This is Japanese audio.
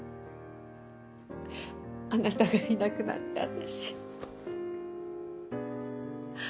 あなたがいなくなって私。